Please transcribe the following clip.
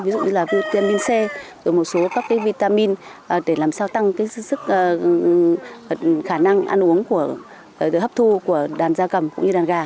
ví dụ như là vitamin c rồi một số các cái vitamin để làm sao tăng cái sức khả năng ăn uống của hấp thu của đàn da gầm cũng như đàn gà